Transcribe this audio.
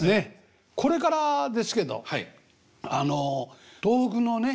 これからですけどあの東北のね